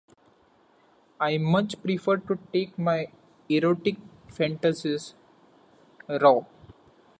I much prefer to take my erotic fantasies raw.